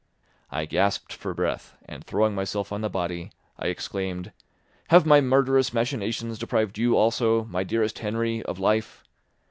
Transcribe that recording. I gasped for breath, and throwing myself on the body, I exclaimed, "Have my murderous machinations deprived you also, my dearest Henry, of life?